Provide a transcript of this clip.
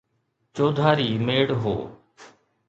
چوڌاري ميڙ هو.